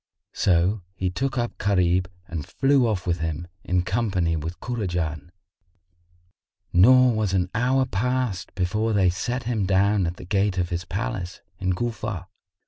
So he took up Gharib and flew off with him, in company with Kurajan; nor was an hour past before they set him down at the gate of his palace, in Cufa.